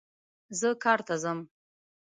زه کار ته ځم